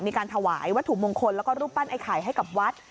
มีการถวายวัตถุมงคลแล้วก็รูปปั้นไอ้ไข่ให้กับวัด